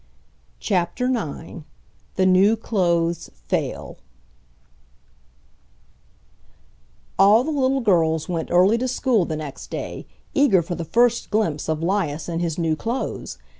CHAPTER IX THE NEW CLOTHES FAIL All the little girls went early to school the next day, eager for the first glimpse of 'Lias in his new clothes.